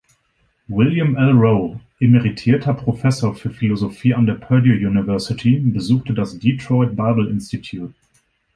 William L. Rowe, emeritierter Professor für Philosophie an der Purdue University, besuchte das Detroit Bible Institute.